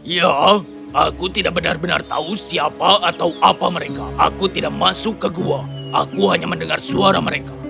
ya aku tidak benar benar tahu siapa atau apa mereka aku tidak masuk ke gua aku hanya mendengar suara mereka